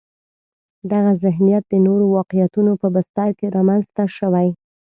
دغه ذهنیت د نورو واقعیتونو په بستر کې رامنځته شوی.